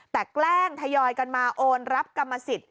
แต่แกล้งทยอยกันมาโอนรับกรรมสิทธิ์